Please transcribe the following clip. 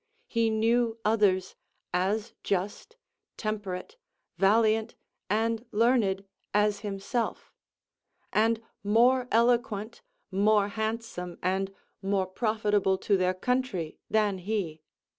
He knew others as just, temperate, valiant, and learned, as himself; and more eloquent, more handsome, and more profitable to their country than he.